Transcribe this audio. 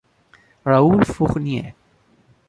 Raoul Fournier.